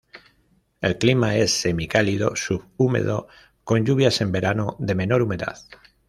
El clima es semicálido subhúmedo con lluvias en verano, de menor humedad.